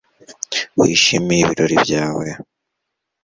Wishimiye ibiro byawe